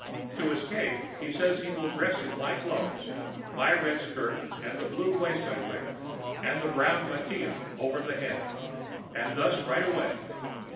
To escape he says he will dress in my clothes, my red skirt and the blue waist I wear and the brown mantilla over the head, and thus ride away.